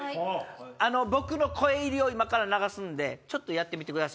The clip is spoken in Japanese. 僕の声入りを今から流すんでちょっとやってみてください。